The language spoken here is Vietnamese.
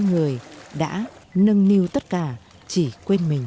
người đã nâng niu tất cả chỉ quên mình